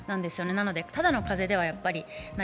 なのでただの風邪ではやっぱりない。